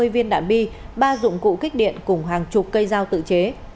hai mươi viên đạn bi ba dụng cụ kích điện cùng hàng chục cây dao tự chế